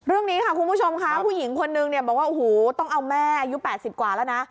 เรื่องนี้ค่ะคุณผู้ชมค่ะผู้หญิงคนนึงเนี่ยบอกว่าโอ้โหต้องเอาแม่อายุ๘๐กว่าแล้วนะ